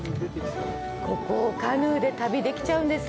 ここをカヌーで旅できちゃうんです！